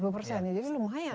empat puluh persen jadi lumayan